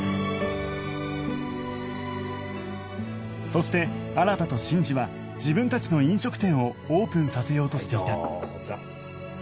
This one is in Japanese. そして新と信二は自分たちの飲食店をオープンさせようとしていた